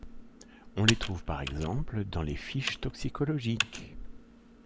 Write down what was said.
On les trouve par exemple dans les fiches toxicologiques.